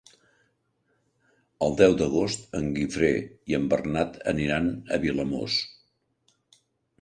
El deu d'agost en Guifré i en Bernat aniran a Vilamòs.